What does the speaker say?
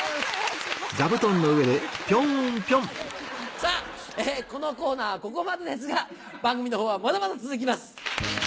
さぁこのコーナーはここまでですが番組のほうはまだまだ続きます。